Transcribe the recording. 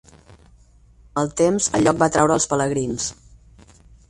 Amb el temps el lloc va atraure els pelegrins.